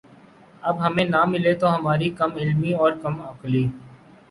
اب ہمیں نہ ملے تو ہماری کم علمی اور کم عقلی